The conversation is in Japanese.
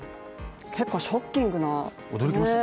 結構ショッキングな。